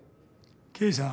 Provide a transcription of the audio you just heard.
刑事さん。